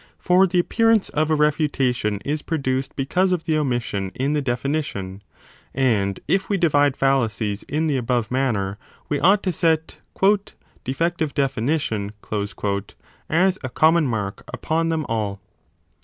For the appearance of a refutation is produced because of the omission in the definition, and 20 if we divide fallacies in the above manner, we ought to set Defective definition as a common mark upon them all.